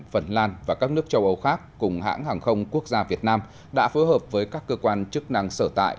phần lan và các nước châu âu khác cùng hãng hàng không quốc gia việt nam đã phối hợp với các cơ quan chức năng sở tại